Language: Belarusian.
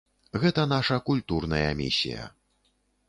Гэта наша культурная місія.